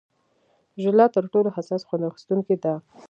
ژله تر ټولو حساس خوند اخیستونکې ده.